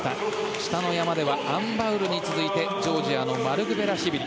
下の山ではアン・バウルに続いてジョージアのマルクベラシュビリ。